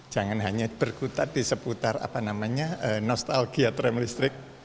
jangan hanya berkutat di seputar apa namanya nostalgia tram listrik